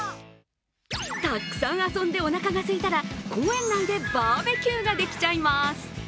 たくさん遊んでおなかがすいたら公園内でバーベキューができちゃいます。